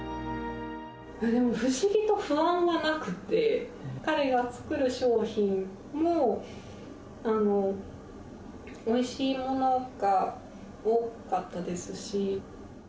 不思議と不安はなくて、彼が作る商品もおいしいものが多かったですし。